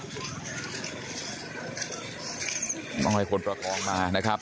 ต้องให้คนประคองมานะครับ